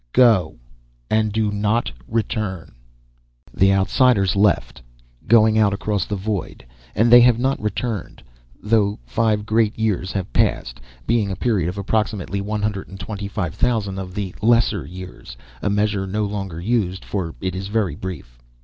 "Go, and do not return." The Outsiders left, going out across the void, and they have not returned, though five Great Years have passed, being a period of approximately one hundred and twenty five thousand of the lesser years a measure no longer used, for it is very brief.